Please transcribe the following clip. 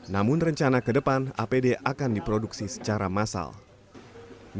namun rencana ke depan apd akan diproduksi secara massal